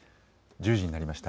１０時になりました。